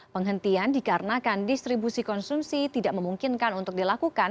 penghentian dikarenakan distribusi konsumsi tidak memungkinkan untuk dilakukan